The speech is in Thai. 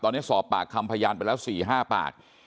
ตอนนี้สอบปากคำพยานไปแล้ว๔๕ปาก